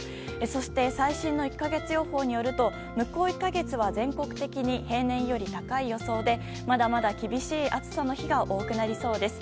そして最新の１か月予報によると向こう１か月は全国的に平年より高い予想でまだまだ厳しい暑さの日が多くなりそうです。